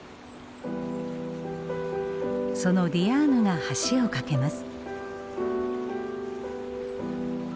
そのディアーヌが橋を架けます。